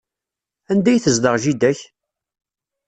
Anda ay tezdeɣ jida-k?